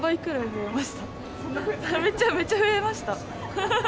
めちゃめちゃ増えました。